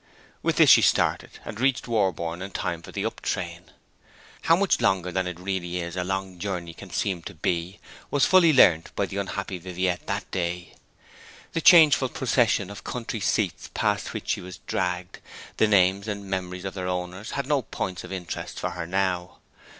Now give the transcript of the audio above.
With this she started, and reached Warborne in time for the up train. How much longer than it really is a long journey can seem to be, was fully learnt by the unhappy Viviette that day. The changeful procession of country seats past which she was dragged, the names and memories of their owners, had no points of interest for her now.